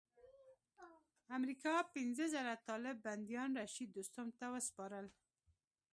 امریکا پنځه زره طالب بندیان رشید دوستم ته وسپارل.